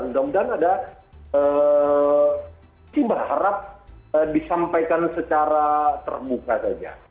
mudah mudahan ada masih berharap disampaikan secara termuka saja